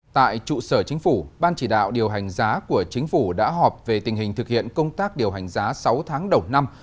tại trụ sở chính phủ ban chỉ đạo điều hành giá của chính phủ đã họp về tình hình thực hiện công tác điều hành giá sáu tháng đầu năm